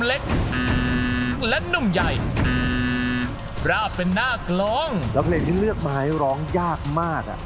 เล็กและนุ่มใหญ่ราบเป็นหน้ากลองแล้วเพลงที่เลือกมาให้ร้องยากมากอ่ะ